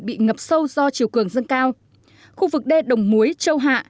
bị ngập sâu do chiều cường dâng cao khu vực đê đồng muối châu hạ